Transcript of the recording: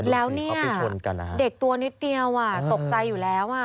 แล้วนี่เด็กตัวนิดเดียวอ่ะตกใจอยู่แล้วอ่ะ